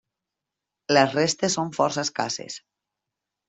Les restes són força escasses.